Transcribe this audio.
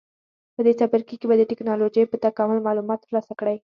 په دې څپرکي کې به د ټېکنالوجۍ په تکامل معلومات ترلاسه کړئ.